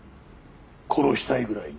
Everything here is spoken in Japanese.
殺したいぐらいに？